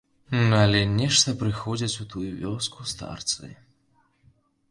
Але нешта прыходзяць у тую вёску старцы.